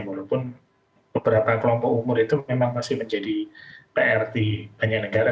walaupun beberapa kelompok umur itu memang masih menjadi pr di banyak negara